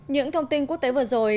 những thông tin quốc tế vừa rồi